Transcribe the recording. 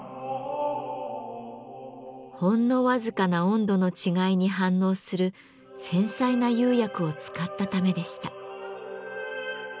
ほんのわずかな温度の違いに反応する繊細な釉薬を使ったためでした。